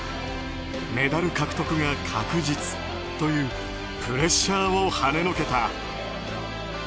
メダル獲得が確実というプレッシャーをはねのけた。